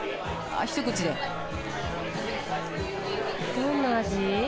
どんな味？